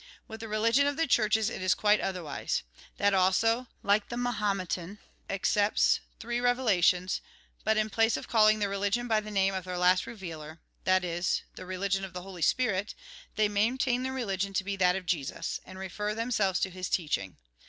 With the religion of the Churches it is quite otherwise. That also, like the Mahometan, ac cepts three revelations, but in place of calling their religion by the name of their last revealer, that is, the " religion of the Holy Spirit," they maintain their religion to be that of Jesus, and refer themselves to his teaching.